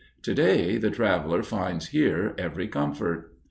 To day the traveler finds here every comfort.